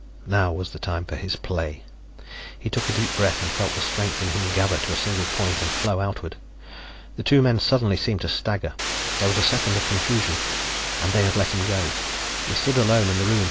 Now was the time for his play. He took a deep breath and felt the strength in him gather to a single point and flow outward. The two men suddenly seemed to stagger; there was a second of confusion and they had let him go. He stood alone in the room.